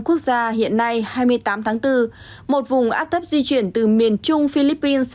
quốc gia hiện nay hai mươi tám tháng bốn một vùng áp thấp di chuyển từ miền trung philippines sang